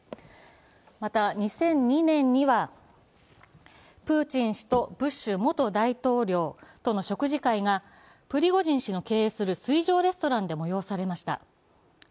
また２００２年にはプーチン氏とブッシュ元大統領との食事会がプリゴジン氏の経営する水上レストランで催されました。